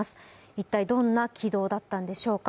一体どんな軌道だったんでしょうか。